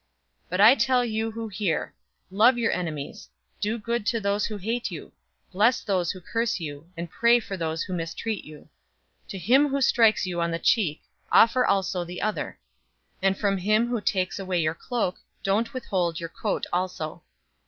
006:027 "But I tell you who hear: love your enemies, do good to those who hate you, 006:028 bless those who curse you, and pray for those who mistreat you. 006:029 To him who strikes you on the cheek, offer also the other; and from him who takes away your cloak, don't withhold your coat also.